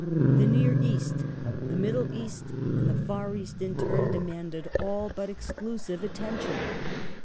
The Near East, the Middle East, and the Far East in turn demanded all but exclusive attention.